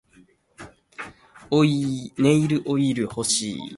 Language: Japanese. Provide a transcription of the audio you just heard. ネイルオイル欲しい